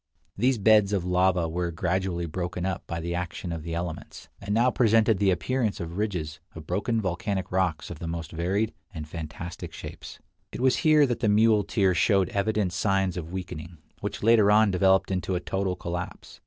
These beds of lava were gradually broken up by the action of the elements, and now presented the appearance of ridges of broken volcanic rocks of the most varied and fantastic 60 Across Asia on a Bicycle shapes. It was here that the muleteer showed evident signs of weakening, which later on developed into a total collapse.